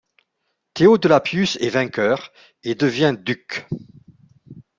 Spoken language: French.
Théodelapius est vainqueur et devient duc.